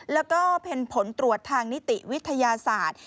แล้วก็เป็นผลตรวจทางนิติวิทยาศาสตร์